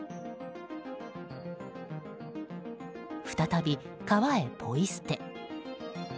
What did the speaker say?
再び、川へポイ捨て。